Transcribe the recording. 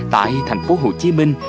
tại thành phố hồ chí minh